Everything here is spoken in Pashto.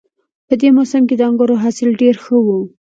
په دې موسم کې د انګورو حاصل ډېر ښه وي